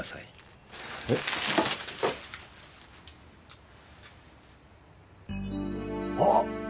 えっ？あっ！